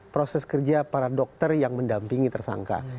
proses kerja para dokter yang mendampingi tersangka